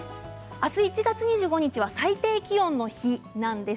明日、１月２５日は最低気温の日なんです。